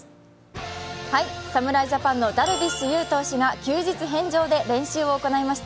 侍ジャパンのダルビッシュ有投手が休日返上で練習をしました。